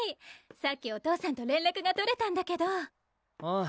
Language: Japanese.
さっきお父さんと連絡が取れたんだけどあぁ